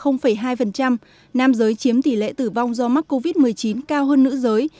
nam giới chiếm tỷ lệ tử vong do mắc covid một mươi chín cao hơn nữ giới